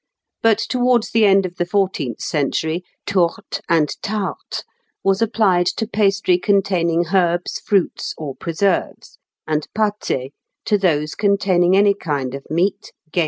But towards the end of the fourteenth century tourte and tarte was applied to pastry containing, herbs, fruits, or preserves, and pâté to those containing any kind of meat, game, or fish.